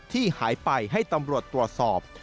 ที่หายไปให้ตำรวจตรวจสอบ